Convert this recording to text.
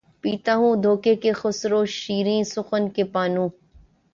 پیتا ہوں دھو کے خسروِ شیریں سخن کے پانو